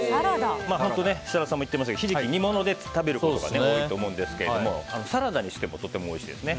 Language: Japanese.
設楽さんも言っていましたがヒジキ、煮物で食べることが多いと思うんですけどサラダにしてもとてもおいしいですね。